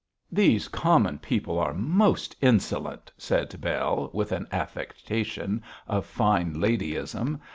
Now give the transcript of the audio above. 'These common people are most insolent,' said Bell, with an affectation of fine ladyism.